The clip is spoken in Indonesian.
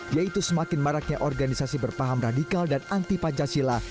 yaitu semakin maraknya organisasi berpaham radikal dan anti pancasila